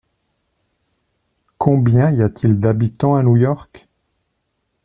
Combien y a-t-il d’habitants à New York ?